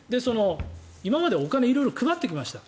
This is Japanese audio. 今までお金を色々配ってきました。